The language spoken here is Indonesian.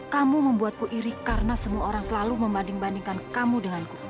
kamu membuatku iri karena semua orang selalu membanding bandingkan kamu denganku